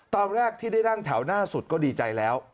ตอนแรกที่ได้นั่งแถวหน้าสุดก็ดีใจแล้ว